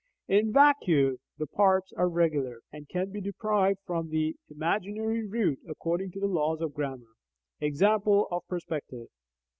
In vacuo, the parts are regular, and can be derived from the (imaginary) root according to the laws of grammar, i.e. of perspective.